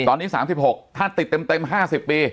ตอนนี้สามสิบหกถ้าติดเต็มเต็มห้าสิบปี